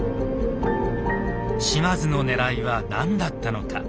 島津のねらいは何だったのか。